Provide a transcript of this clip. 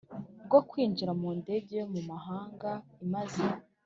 Bwo kwinjira mu ndege yo mu mahanga imaze